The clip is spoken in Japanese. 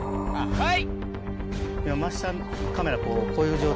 はい。